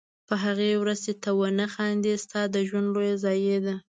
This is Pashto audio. په هغې ورځ چې ته ونه خاندې ستا د ژوند لویه ضایعه ده.